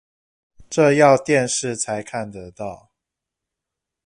這要電視才看得到